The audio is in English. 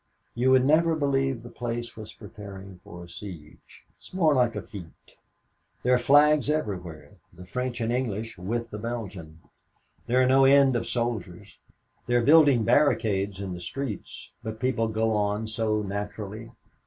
"You would never believe the place was preparing for a siege. It is more like a fête. There are flags everywhere the French and English with the Belgian. There are no end of soldiers. They are building barricades in the streets, but people go on so naturally.